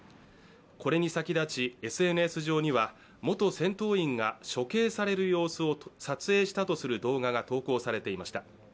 これに先立ちＳＮＳ上には元戦闘員が処刑される様子を撮影したとする動画が投稿されていました。